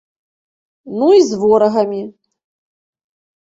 Ну, і з ворагамі.